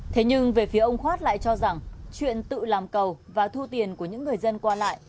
thế nhưng về phía ông khoát lại cho rằng chuyện tự làm cầu và thu tiền của những người dân qua lại